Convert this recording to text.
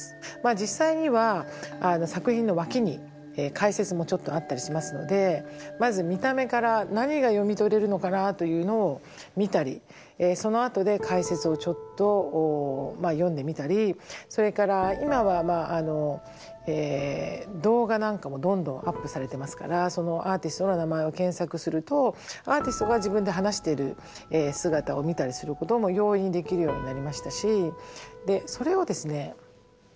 実際には作品の脇に解説もちょっとあったりしますのでまず見た目から何が読み取れるのかなというのを見たりそのあとで解説をちょっと読んでみたりそれから今は動画なんかもどんどんアップされてますからそのアーティストの名前を検索するとアーティストが自分で話している姿を見たりすることも容易にできるようになりましたしそれをですね